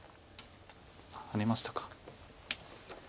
ハネましたか。